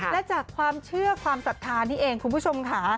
และจากความเชื่อความศรัทธานี่เองคุณผู้ชมค่ะ